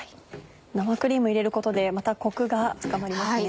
生クリーム入れることでまたコクが深まりますね。